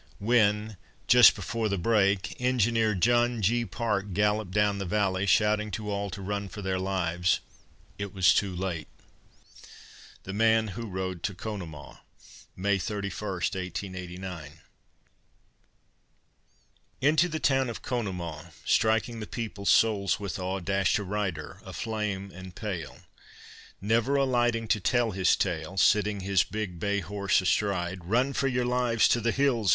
When, just before the break, Engineer John G. Parke galloped down the valley, shouting to all to run for their lives, it was too late. THE MAN WHO RODE TO CONEMAUGH [May 31, 1889] Into the town of Conemaugh, Striking the people's souls with awe, Dashed a rider, aflame and pale, Never alighting to tell his tale, Sitting his big bay horse astride. "Run for your lives to the hills!"